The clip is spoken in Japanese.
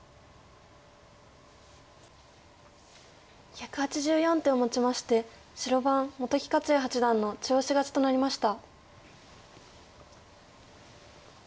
１８４手をもちまして白番本木克弥八段の中押し勝ちとなりました。